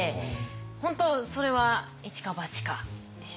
本当それは一か八かでした。